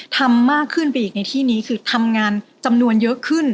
ทำมากขึ้นไปอีกในที่นี้คือทำงานจำนวนเยอะขึ้น